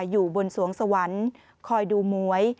อยู่บนสวงสวรรค์คอยดูหมวย